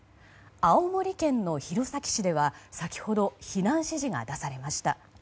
青森県の弘前市では先ほど避難指示が出されました。